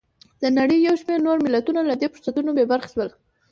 د نړۍ یو شمېر نور ملتونه له دې فرصتونو بې برخې شول.